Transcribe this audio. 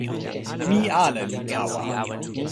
mi ale li tawa.